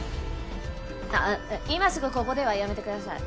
ああっ今すぐここではやめてください。